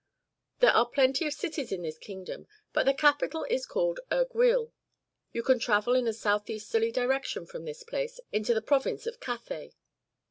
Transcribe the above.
^ There are plenty of cities in this kingdom, but the capital is Erguiul. You can travel in a south easterly direction from this place into the province of Cathay.